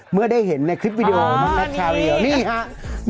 เมื่อได้เห็นในคลิปวิดีโอน้องแท็กชาเรียลนี่ครับ